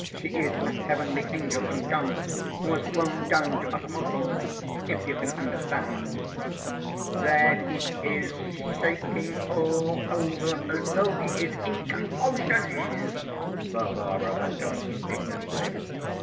She is a heavenly angel incarnate ... who has flown down to us mortals,... if you can understand." "There he is shaking all over, as though he is in convulsions!" Varvara went on indignantly.